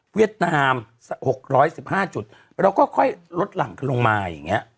เวียดนาม๖๑๕จุดแล้วเราก็ค่อยลดหลั่งลงมาอย่างเงี้ย